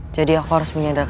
jadi aku harus menyadarkanmu